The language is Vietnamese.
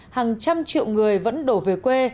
hàng trăm triệu người vẫn đổ về quê